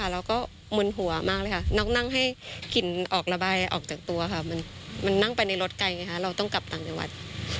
เราต้องกลับต่างจังหวัด